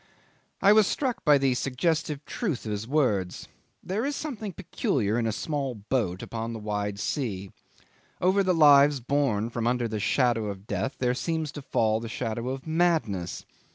'I was struck by the suggestive truth of his words. There is something peculiar in a small boat upon the wide sea. Over the lives borne from under the shadow of death there seems to fall the shadow of madness.